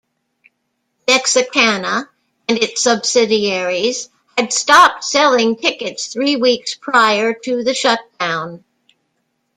Mexicana and its subsidiaries had stopped selling tickets three weeks prior to the shutdown.